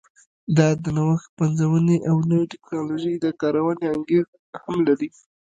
دا د نوښت، پنځونې او نوې ټکنالوژۍ د کارونې انګېزې هم لري.